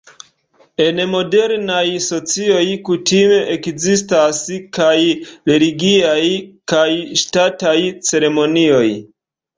En modernaj socioj kutime ekzistas kaj religiaj kaj ŝtataj ceremonioj.